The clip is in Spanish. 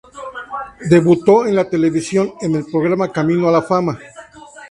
Debutó en la televisión en el programa "Camino a la fama".